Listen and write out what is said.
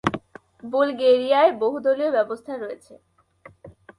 বুলগেরিয়ায় বহুদলীয় ব্যবস্থা রয়েছে।